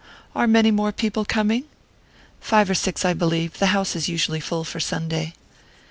Are many more people coming?" "Five or six, I believe. The house is usually full for Sunday."